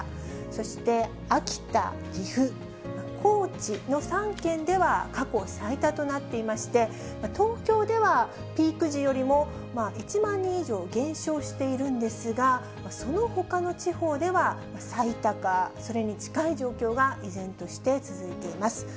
そして、秋田、岐阜、高知の３県では、過去最多となっていまして、東京ではピーク時よりも１万人以上減少しているんですが、そのほかの地方では最多か、それに近い状況が依然として続いています。